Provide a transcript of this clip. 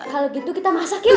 kalau gitu kita masak yuk